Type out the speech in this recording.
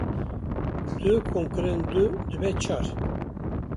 Dû komkirinî dû dibe çar